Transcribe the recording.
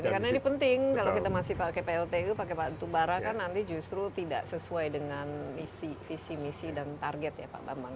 karena ini penting kalau kita masih pakai pltu pakai batubara kan nanti justru tidak sesuai dengan misi misi dan target ya pak ramang